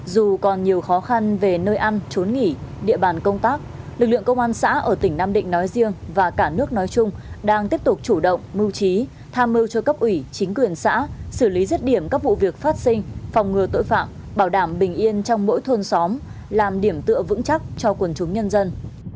dù còn nhiều khó khăn về nơi ăn trốn nghỉ địa bàn công tác lực lượng công an xã ở tỉnh nam định nói riêng và cả nước nói chung đang tiếp tục chủ động mưu trí tham mưu cho cấp ủy chính quyền xã xử lý rứt điểm các vụ việc phát sinh phòng ngừa tội phạm bảo đảm bình yên trong mỗi thôn xóm làm điểm tựa vững chắc cho quần chúng nhân dân